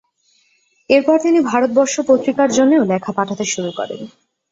এরপর তিনি 'ভারতবর্ষ' পত্রিকার জন্যেও লেখা পাঠাতে শুরু করেন।